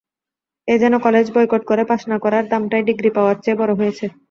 এ যেন college boycott করে pass না করার দামটাই ডিগ্রি পাওয়ার চেয়ে বড়ো হয়েছে।